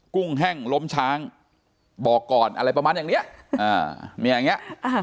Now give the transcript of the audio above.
กุ้งแห้งลมชางบอกก่อนอะไรประมาณอย่างนี้มีอย่างเนี้ย